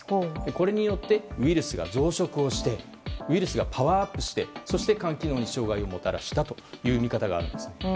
これによってウイルスが増殖をしてウイルスがパワーアップして肝機能に障害をもたらしたという見方があるんです。